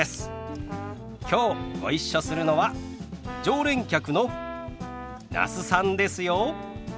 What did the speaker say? きょうご一緒するのは常連客の那須さんですよ。